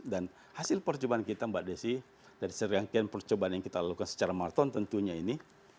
dan hasil percobaan kita mbak desy dari seriangkian percobaan yang kita lakukan secara maraton tentunya ini